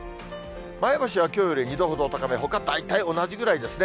前橋はきょうより２度ほど高め、ほか、大体同じぐらいですね。